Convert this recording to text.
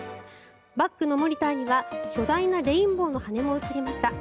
バックのモニターには巨大なレインボーの羽も映りました。